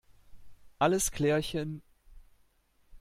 Alles klärchen!